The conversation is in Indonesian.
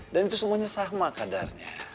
dan itu semuanya sama kadarnya